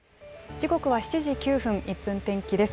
時刻は７時９分、１分天気です。